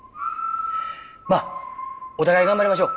まあお互い頑張りましょう。